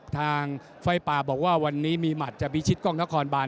ทางไฟป่าบอกว่าวันนี้มีหมัดจะบีชิดกองทครบาน